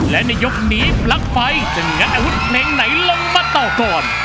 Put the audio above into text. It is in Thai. และในยกนี้ปลั๊กไฟจะงัดอาวุธเพลงไหนลงมาต่อก่อน